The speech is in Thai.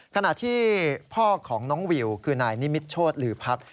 ขณะที่พ่อของน้องวิวคือนายนิมิตโชธลือพัก